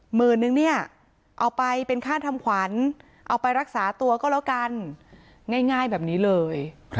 หมื่นนึงเนี่ยเอาไปเป็นค่าทำขวัญเอาไปรักษาตัวก็แล้วกันง่ายแบบนี้เลย